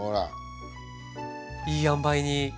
いいあんばいに。